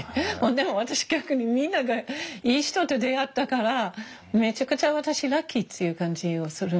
でも私逆にみんながいい人と出会ったからめちゃくちゃ私ラッキーっていう感じするので。